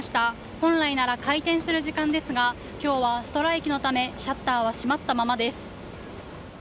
本来なら開店する時間ですが今日はストライキのためシャッターは閉まったままです。